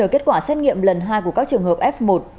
kết quả xét nghiệm lần hai của các trường hợp f một